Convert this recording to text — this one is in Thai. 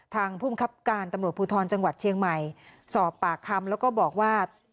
ภูมิครับการตำรวจภูทรจังหวัดเชียงใหม่สอบปากคำแล้วก็บอกว่า